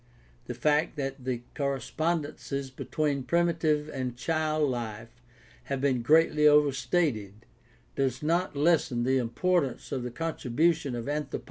The fact that the correspondences between primitive and child life have been greatly overstated does not lessen the importance of the contribution of anthropology to education.